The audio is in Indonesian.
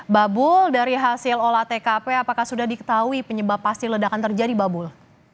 babul dari hasil olah tkp apakah sudah diketahui penyebab pasti ledakan terjadi babul